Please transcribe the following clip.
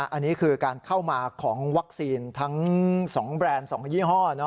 อันนี้คือการเข้ามาของวัคซีนทั้ง๒แบรนด์๒ยี่ห้อ